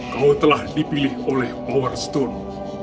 kau telah dipilih oleh power stone